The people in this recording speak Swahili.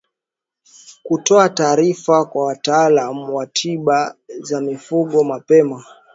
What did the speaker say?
Kutoa taarifa kwa wataalamu wa tiba za mifugo mapema